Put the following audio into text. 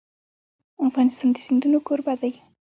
افغانستان د سیندونه کوربه دی.